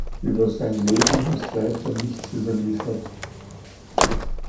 Über sein Leben ist weiter nichts überliefert.